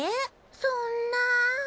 そんなぁ。